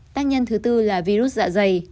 tác nhân thứ tư là virus dạ dày